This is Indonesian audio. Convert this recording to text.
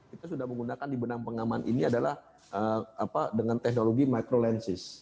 kita sudah menggunakan di benang pengaman ini adalah dengan teknologi microlencis